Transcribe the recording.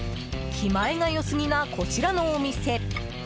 気前が良すぎなこちらのお店。